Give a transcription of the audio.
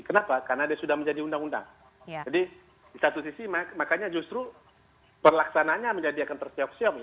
kenapa karena dia sudah menjadi undang undang jadi di satu sisi makanya justru perlaksananya menjadi akan tersiok siok